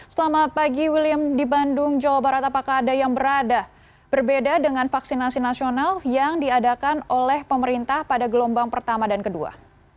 selamat pagi william di bandung jawa barat apakah ada yang berada berbeda dengan vaksinasi nasional yang diadakan oleh pemerintah pada gelombang pertama dan kedua